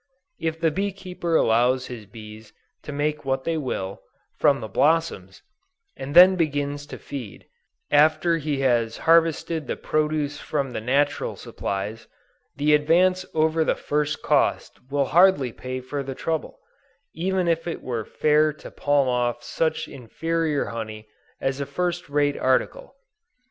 If the bee keeper allows his bees to make what they will, from the blossoms, and then begins to feed, after he has harvested the produce from the natural supplies, the advance over the first cost will hardly pay for the trouble, even if it were fair to palm off such inferior honey as a first rate article.